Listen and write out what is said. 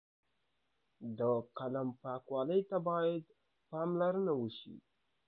د قلم پاکوالۍ ته باید پاملرنه وشي.